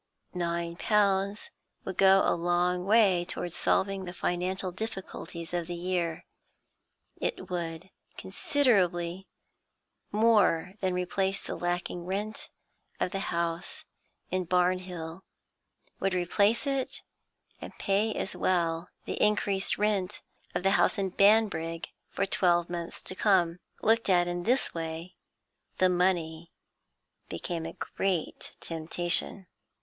Nine pounds would go a long way towards solving the financial difficulties of the year; it would considerably more than replace the lacking rent of the house in Barnhill; would replace it, and pay as well the increased rent of the house at Banbrigg for twelve months to come. Looked at in this way, the money became a great temptation.